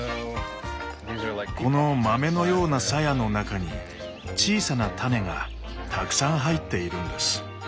この豆のようなさやの中に小さな種がたくさん入っているんです。